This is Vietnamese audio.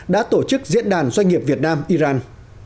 đã tổ chức diễn đàn doanh nghiệp việt nam iran